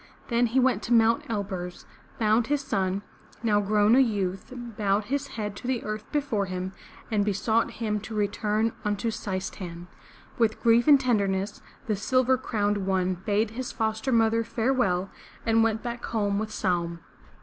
Then he went to Mt. Elburz, found his son, now grown a youth, bowed his head to the earth before him, and besought him to return unto Seis tan'. With grief and tenderness, the Silver Crowned One bade his foster mother farewell and went back home with Saum.